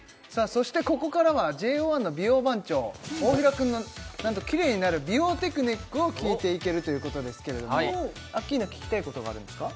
そしてここからはＪＯ１の美容番長大平くんの何とキレイになる美容テクニックを聞いていけるということですけれどもアッキーナ聞きたいことがあるんですか？